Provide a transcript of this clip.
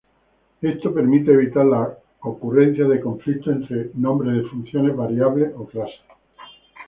Esto permite evitar las ocurrencias de conflictos entre nombres de funciones, variables o clases.